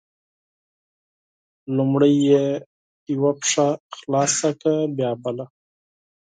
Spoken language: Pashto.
اول یې یوه پښه خلاصه کړه بیا بله